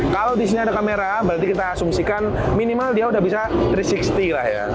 kalau di sini ada kamera berarti kita asumsikan minimal dia udah bisa tiga ratus enam puluh lah ya